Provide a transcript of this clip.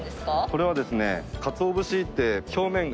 これはですね。